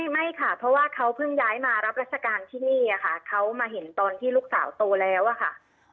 ไม่ค่ะเพราะว่าเขาเพิ่งย้ายมารับราชการที่นี่ค่ะเขามาเห็นตอนที่ลูกสาวโตแล้วอะค่ะ